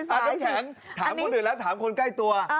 น้ำแข็งถามคนอื่นแล้วถามคนใกล้ตัว